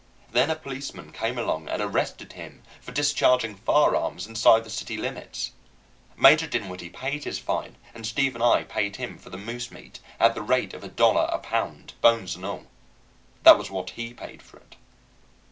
Then a policeman came along and arrested him for discharging firearms inside the city limits. Major Dinwiddie paid his fine, and Steve and I paid him for the moose meat at the rate of a dollar a pound, bones and all. That was what he paid for it.